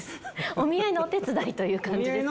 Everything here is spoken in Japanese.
お見合いのお手伝いという感じです。